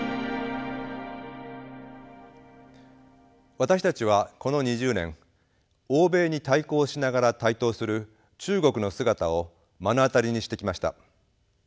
私たちはこの２０年欧米に対抗しながら台頭する中国の姿を目の当たりにしてきました。